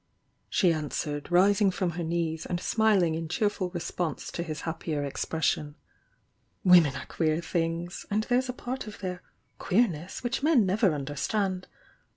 she answered, rising from her knees, and smiling in cheerful response to his happier expres sion: "Women are queer things! — and there's a part of their 'queemess' which men never understand.